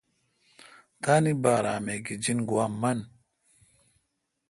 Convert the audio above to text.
تانی بارہ می گیجن گوا من۔